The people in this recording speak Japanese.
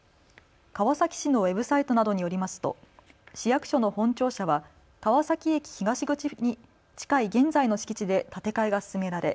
川崎市のウェブサイトなどによりますと、市役所の本庁舎は川崎駅東口に近い現在の敷地で建て替えが進められ